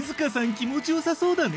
気持ち良さそうだね。